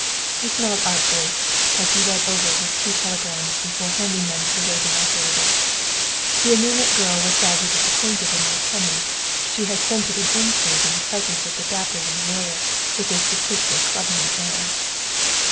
He smiled artfully as he read over his two telegrams before handing them to the waiting operator. The anaemic girl was sadly disappointed in their tenor. She had scented an intrigue in the presence of the dapper young lawyer with his distinctly clubman air.